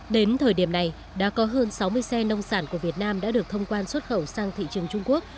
đến thời điểm này đã có hơn sáu mươi xe nông sản của việt nam đã được thông quan xuất khẩu sang thị trường trung quốc